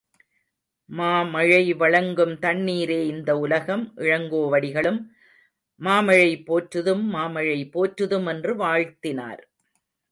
மா மழை வழங்கும் தண்ணீரே இந்த உலகம், இளங்கோவடிகளும் மாமழை போற்றுதும் மாமழை போற்றுதும் என்று வாழ்த்தினார்.